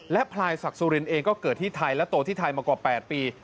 และพลายศักดิ์สุรินเองก็เกิดที่ไทยและโตที่ไทยมากว่า๘ปี